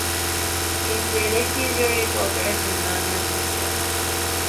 His lyrics usually focus on romance and sex.